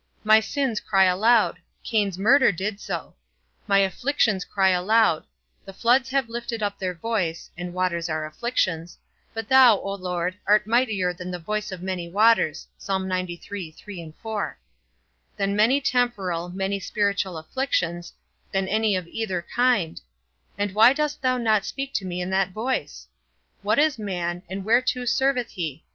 My sins cry aloud; Cain's murder did so: my afflictions cry aloud; the floods have lifted up their voice (and waters are afflictions), but thou, O Lord, art mightier than the voice of many waters; than many temporal, many spiritual afflictions, than any of either kind: and why dost thou not speak to me in that voice? _What is man, and whereto serveth he?